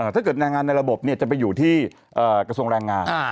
ถ้าเกิดแรงงานในระบบเนี่ยจะไปอยู่ที่กระทรวงแรงงาน